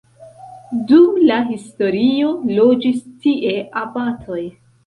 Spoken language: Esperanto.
Dum la historio loĝis tie abatoj.